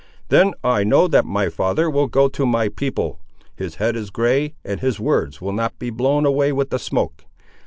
"Then I know that my father will go to my people. His head is grey, and his words will not be blown away with the smoke.